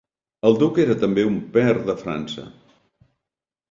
El duc era també un "pair" de França.